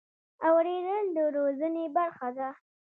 اورېدل د روزنې برخه ده.